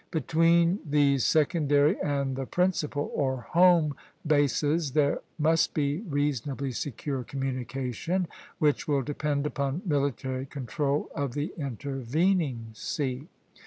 Between these secondary and the principal, or home, bases there must be reasonably secure communication, which will depend upon military control of the intervening sea.